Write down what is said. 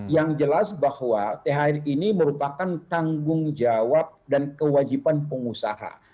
yang jelas bahwa thr ini merupakan tanggung jawab dan kewajiban pengusaha